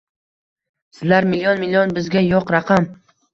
Sizlar – milyon-milyon, bizga yo’q raqam